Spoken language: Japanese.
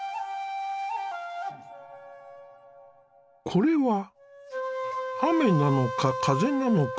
これは雨なのか風なのか